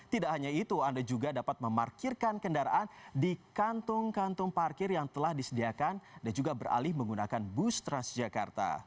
tidak hanya itu anda juga dapat memarkirkan kendaraan di kantung kantung parkir yang telah disediakan dan juga beralih menggunakan bus transjakarta